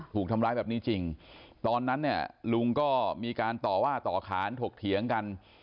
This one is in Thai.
ถูกทำร้ายแบบนี้จริงตอนนั้นเนี่ยลุงก็มีการต่อว่าต่อขานถกเถียงกัน